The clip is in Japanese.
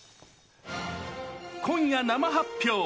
今夜生発表。